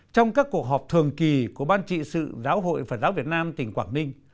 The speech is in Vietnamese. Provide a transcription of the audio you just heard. trong các cuộc họp thường kỳ của ban trị sự giáo hội phật giáo việt nam tỉnh quảng ninh